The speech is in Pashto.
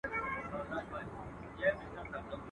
غنمو او جوارو اوډه جوړوي.